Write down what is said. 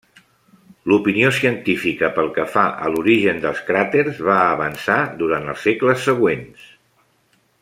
L'opinió científica pel que fa a l'origen dels cràters, va avançar durant els segles següents.